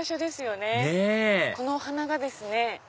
ねっこのお花がですね